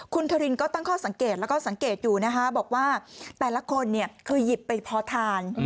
คุณคารินก็ตั้งข้อสังเกตแล้วก็สังเกตอยู่นะคะบอกว่าแต่ละคนคือหยิบไปพอทาน